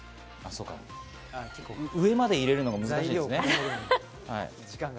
結構、上まで入れるのが難しいんですね。